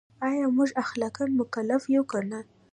ایا موږ اخلاقاً مکلف یو که نه؟